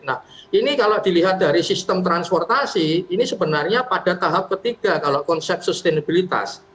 nah ini kalau dilihat dari sistem transportasi ini sebenarnya pada tahap ketiga kalau konsep sustenabilitas